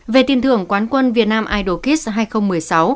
về tiền thưởng quán quân việt nam idol kids hai nghìn một mươi sáu